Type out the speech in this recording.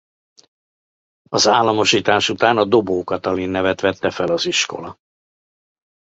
Az államosítás után a Dobó Katalin nevet vette fel az iskola.